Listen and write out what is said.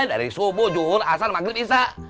dari subuh jujur asal maghrib isya